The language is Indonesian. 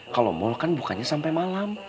kalo mall kan bukannya sampe malam